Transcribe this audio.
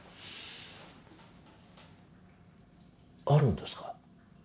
あるんですか？